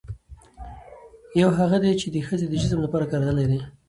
يوهغه دي، چې د ښځې د جسم لپاره کارېدلي دي